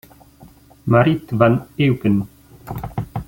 Marit van Eupen